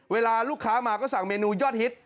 เวลาลูกค้ามาก็สั่งเมนูยอดฮิต